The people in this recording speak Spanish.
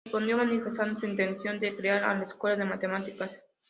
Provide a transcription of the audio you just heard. Respondió manifestando su intención de crear a la escuela de matemáticas.